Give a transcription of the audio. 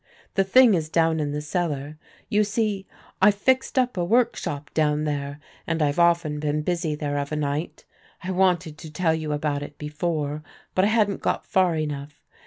The thing is down in the cellar. You see, I fixed up a workshop down there, and I've often been busy there of a night. I wanted to tell you about it before, but I hadn't got far enough.